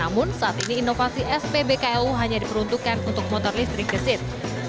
namun saat ini inovasi spbku hanya diperuntukkan untuk motor listrik gesit